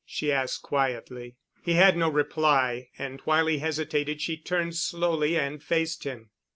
she asked quietly. He had no reply and while he hesitated she turned slowly and faced him.